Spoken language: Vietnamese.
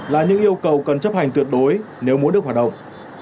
là những yêu cầu cần chấp hành tuyệt đối nếu muốn được hoạt động